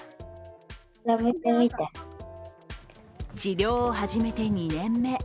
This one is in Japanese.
治療を始めて２年目。